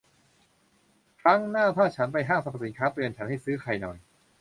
ครั้งหน้าถ้าฉันไปห้างสรรพสินค้า เตือนฉันให้ซื้อไข่หน่อย